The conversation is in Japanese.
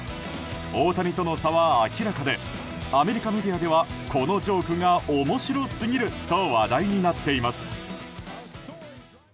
大谷との差は明らかでアメリカメディアではこのジョークが面白すぎると話題になっています。